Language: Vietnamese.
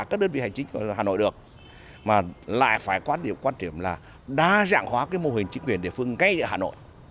các đơn vị hành chính của hà nội được mà lại phải quan điểm quan trọng là đa dạng hóa cái mô hình chính quyền địa phương ngay ở hà nội